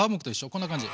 こんな感じ。